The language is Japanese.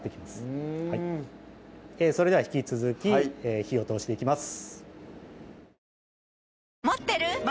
うんそれでは引き続き火を通していきます